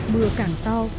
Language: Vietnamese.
mưa càng to